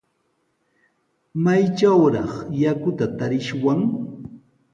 ¿Maytrawraq yakuta tarishwan?